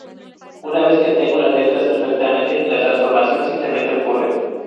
Una vez que tengo las letras perfectamente, la transformación simplemente ocurre.